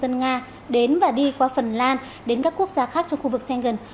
dân nga đến và đi qua phần lan đến các quốc gia khác trong khu vực sengen